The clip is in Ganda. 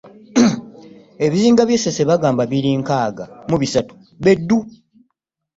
Ebizinga by'e Ssese bagamba biri nkaaga mu bisatu be ddu!